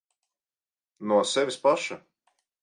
No sevis paša.